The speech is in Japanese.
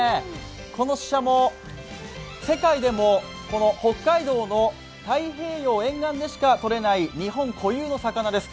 このししゃも、世界でも北海道の太平洋沿岸でしかとれない日本固有の魚です。